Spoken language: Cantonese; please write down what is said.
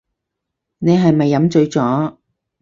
你係咪飲醉咗